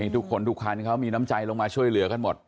ทุกคนทุกคันเขามีน้ำใจลงมาช่วยเหลือกันหมด